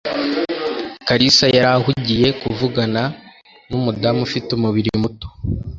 Kalisa yari ahugiye kuvugana numudamu ufite umubiri muto.